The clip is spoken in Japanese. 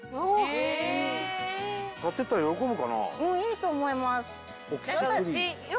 いいと思います。